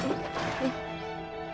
えっ。